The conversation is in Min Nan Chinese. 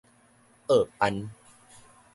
僫辦